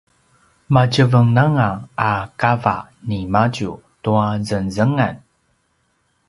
matjevenganga a kava nimadju tua zengzengan